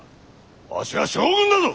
わしは将軍だぞ！